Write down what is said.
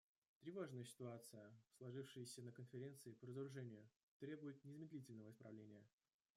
Тревожная ситуация, сложившаяся на Конференции по разоружению, требует незамедлительного исправления.